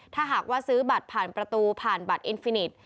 ถ้าหากว่าซื้อบัตรผ่านประตูผ่านบัตรอินฟินิต